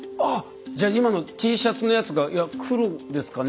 じゃあ今のＴシャツのやつが「いや黒ですかね」